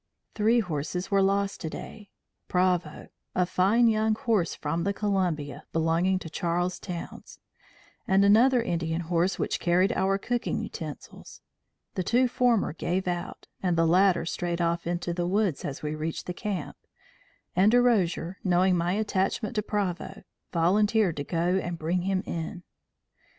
Three horses were lost today Proveau; a fine young horse from the Columbia, belonging to Charles Towns; and another Indian horse which carried our cooking utensils; the two former gave out, and the latter strayed off into the woods as we reached the camp: and Derosier knowing my attachment to Proveau, volunteered to go and bring him in.